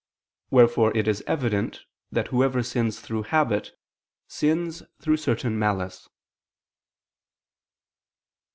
Wherefore it is evident that whoever sins through habit, sins through certain malice.